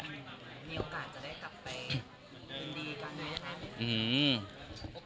มีโอกาสจะได้กลับไปดีกว่านี้นะครับ